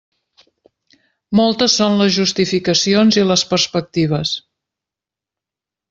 Moltes són les justificacions i les perspectives.